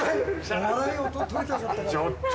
ちょっと。